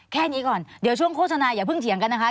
แค่นี้ก่อนเดี๋ยวช่วงโฆษณาอย่าเพิ่งเถียงกันนะคะ